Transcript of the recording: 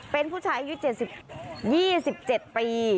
เป็นผู้ชายอายุ๒๗ปี